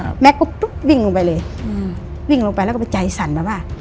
แม่ก็ตุ๊บวิ่งลงไปเลยอืมวิ่งลงไปแล้วก็ไปใจสั่นแบบว่า